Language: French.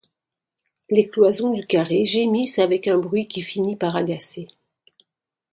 Les cloisons du carré gémissent avec un bruit qui finit par agacer.